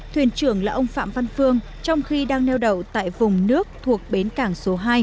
thuyền trưởng là ông phạm văn phương trong khi đang neo đậu tại vùng nước thuộc bến cảng số hai